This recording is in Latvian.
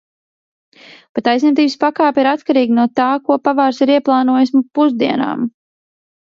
Bet aizņemtības pakāpe ir atkarīga to tā, ko pavārs ir ieplānojis pusdienām.